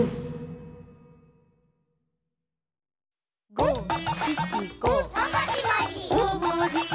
「ごしちご」「ごもじもじ」